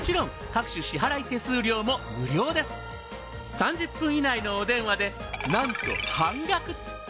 ３０分以内のお電話でなんと半額。